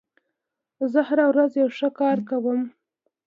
زه هره ورځ یو ښه کار کوم.